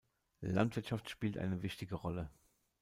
Landwirtschaft spielt eine wichtige Rolle.